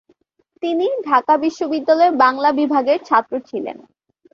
তিনি ঢাকা বিশ্ববিদ্যালয়ের বাংলা বিভাগের ছাত্র ছিলেন।